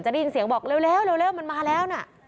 ได้ยินเสียงบอกเร็วมันมาแล้วนะ